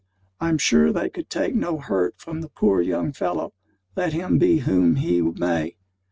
I'm sure they could take no hurt from the poor young fellow, let him be whom he may.